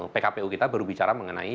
pkpu kita baru bicara mengenai